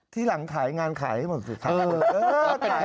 ที่หลังขายงานขายให้หมดสุดท้าย